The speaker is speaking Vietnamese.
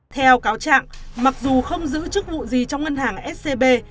theo cáo trạng mặc dù không giữ chức vụ gì trong ngân hàng scb